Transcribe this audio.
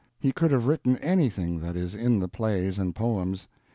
He could have written anything that is in the Plays and Poems.